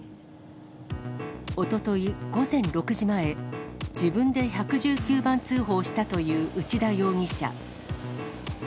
おととい午前６時前、自分で１１９番通報したという内田容疑者。